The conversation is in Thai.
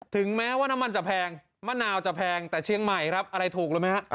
ถึงแม้ว่าน้ำมันจะแพงมะนาวจะแพงแต่เชียงใหม่ครับอะไรถูกรู้ไหมฮะ